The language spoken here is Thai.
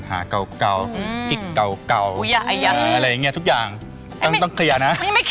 แม่บ้านประจันบัน